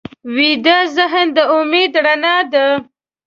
ویده ذهن د امید رڼا ده